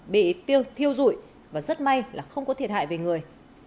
bị thiêu rụi và rất may là không có thiệt hại về người